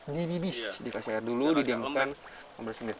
dibibis dikasih air dulu didiamkan ambil semenit